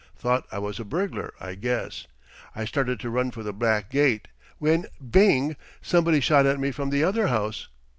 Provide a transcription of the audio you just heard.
Thought I was a burglar, I guess. I started to run for the back gate, when bing! somebody shot at me from the other house.